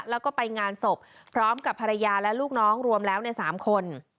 แล้วก็ไปงานศพพร้อมกับภรรยาและลูกน้องรวมแล้วใน๓คน